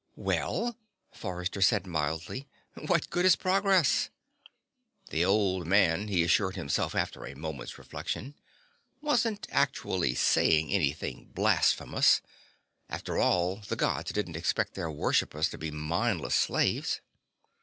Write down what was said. "Well," Forrester said mildly, "what good is progress?" The old man, he assured himself after a moment's reflection, wasn't actually saying anything blasphemous. After all, the Gods didn't expect their worshippers to be mindless slaves.